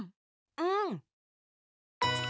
うん！